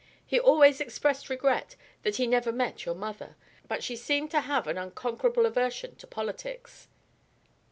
He always expressed regret that he never met your mother, but she seemed to have an unconquerable aversion to politics."